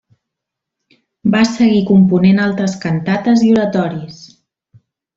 Va seguir component altres cantates i oratoris.